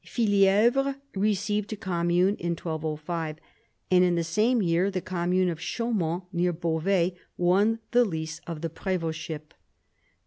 Fillievre received a commune in 1205, and in the same year the commune of Chaumont, near Beauvais, won the lease of the prevdtship.